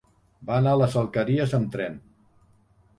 Va anar a les Alqueries amb tren.